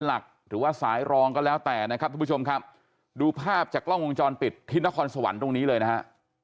หรือว่าสายรองก็แล้วแต่นะครับทุกผู้ชมครับดูภาพจากกล้องวงจรปิดที่นครสวรรค์ตรงนี้เลยนะฮะ